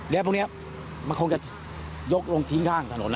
แล้วพรุ่งนี้มันคงจะยกลงทิ้งข้างถนนน่ะ